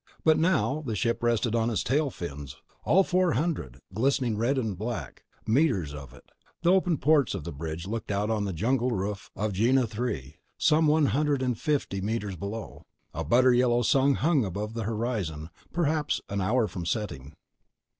But now the ship rested on its tail fins—all four hundred glistening red and black meters of it. The open ports of the bridge looked out on the jungle roof of Gienah III some one hundred fifty meters below. A butter yellow sun hung above the horizon, perhaps an hour from setting.